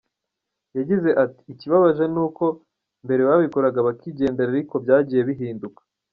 Yagize ati“Ikibabaje ni uko mbere babikoraga bakigendera ariko byagiye bihinduka.